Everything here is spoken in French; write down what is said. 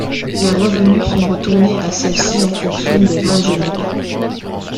Les revenues sont retournés à celles-ci en fonction des ventes générées.